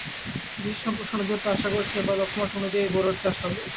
কৃষি সম্প্রসারণ অধিদপ্তর আশা করছে, এবার লক্ষ্যমাত্রা অনুযায়ী বোরোর চাষ হবে।